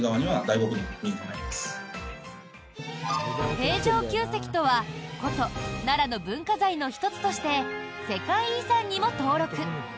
平城宮跡とは古都・奈良の文化財の１つとして世界遺産にも登録。